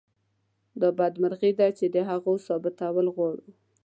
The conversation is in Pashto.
دا بدمرغي ده چې د هغو ثابتول غواړو.